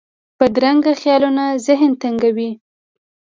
بدرنګه خیالونه ذهن تنګوي